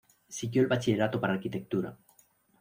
Siguió el Bachillerato para Arquitectura.